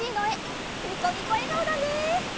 ニコニコえがおだね。